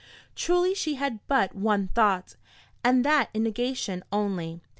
Truly she had but one thought, and that in negation only.